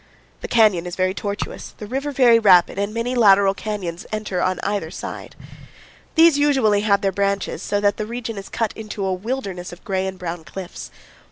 The canyon is very tortuous, the river very rapid, and many lateral canyons enter on either side. These usually have their branches, so that the region is cut into a wilderness of gray and brown cliffs.